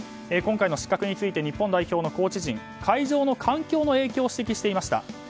今回の失格について日本代表のコーチ陣会場の環境の影響を指摘していました。